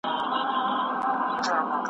او په لار کي شاباسونه زنده باد سې اورېدلای `